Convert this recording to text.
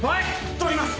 通ります！